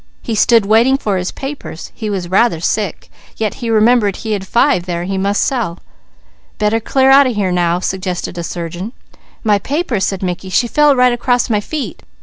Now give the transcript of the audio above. He stood waiting for his papers. He was rather sick, yet he remembered he had five there he must sell. "Better clear out of here now!" suggested a surgeon. "My papers!" said Mickey. "She fell right cross my feet.